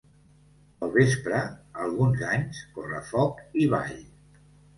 Al vespre, alguns anys, correfoc i ball.